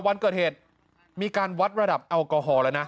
วันเกิดเหตุมีการวัดระดับแอลกอฮอล์แล้วนะ